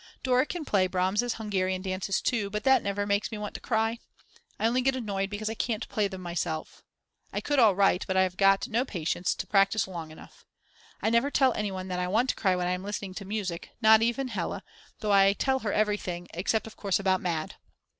Dora can play Brahms' Hungarian Dances, too, but that never makes me want to cry. I only get annoyed because I can't play them myself. I could all right, but I have not got patience to practice long enough. I never tell anyone that I want to cry when I am listening to music, not even Hella, though I tell her everything, except of course about Mad.